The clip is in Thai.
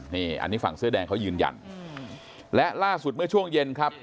นี่อันนี้ฝั่งเสื้อแดงเขายืนยันและล่าสุดเมื่อช่วงเย็นครับ